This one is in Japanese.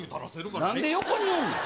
なんで横におんねん。